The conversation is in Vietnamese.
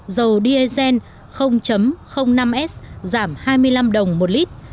dầu diesel năm s giảm hai mươi năm đồng một lít